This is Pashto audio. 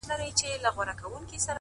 مخه ونیول شي